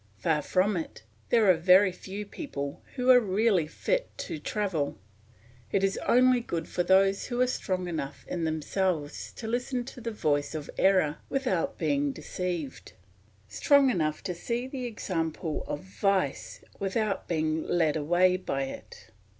Far from it; there are very few people who are really fit to travel; it is only good for those who are strong enough in themselves to listen to the voice of error without being deceived, strong enough to see the example of vice without being led away by it.